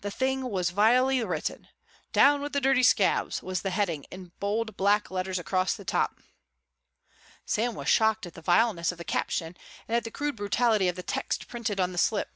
The thing was vilely written. "Down with the dirty scabs" was the heading in bold, black letters across the top. Sam was shocked at the vileness of the caption and at the crude brutality of the text printed on the slip.